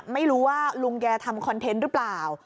ไม่รู้ว่าลุงแกทำคอนเทนต์หรือเปล่า